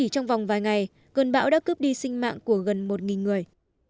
trong vòng vài ngày cơn bão đã cướp đi sinh mạng của gần một người